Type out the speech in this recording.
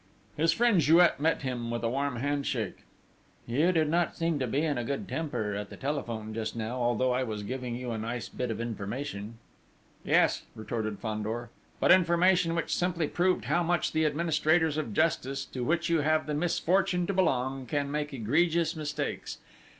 His friend Jouet met him, with a warm handshake: "You did not seem to be in a good temper at the telephone just now, although I was giving you a nice bit of information!" "Yes," retorted Fandor, "but information which simply proved how much the administrators of justice, to which you have the misfortune to belong, can make egregious mistakes!